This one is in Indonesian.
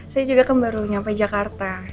saya juga kan baru nyampe jakarta